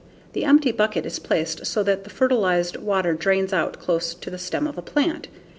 The empty bucket is placed so that the fertilized water drains out close to the stem of a plant.